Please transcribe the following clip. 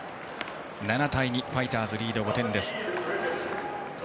７対２とファイターズのリードは５点。